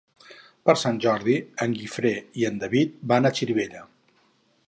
Per Sant Jordi en Guifré i en David van a Xirivella.